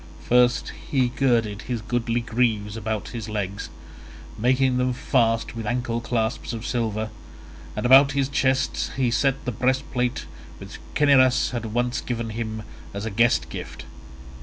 First he girded his goodly greaves about his legs, making them fast with ankle clasps of silver; and about his chest he set the breastplate which Cinyras had once given him as a guest gift.